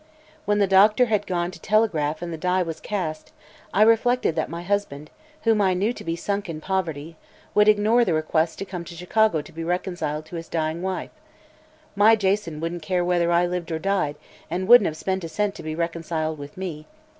When the doctor had gone to telegraph and the die was cast, I reflected that my husband, whom I knew to be sunk in poverty, would ignore the request to come to Chicago to be reconciled to his dying wife. My Jason wouldn't care whether I lived or died and wouldn't have spent a cent to be reconciled with me.